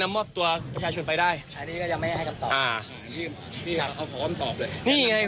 ก็อาจจะสั่งให้พวกมีตัว